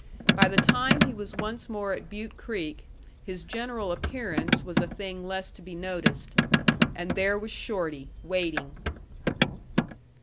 By the time he was once more at Butte Creek, his general appearance was a thing less to be noticed. And there was Shorty, waiting!